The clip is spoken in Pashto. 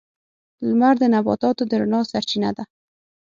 • لمر د نباتاتو د رڼا سرچینه ده.